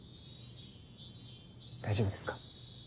大丈夫ですか？